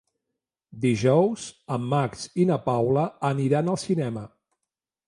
Dijous en Max i na Paula aniran al cinema.